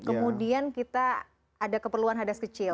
kemudian kita ada keperluan hadas kecil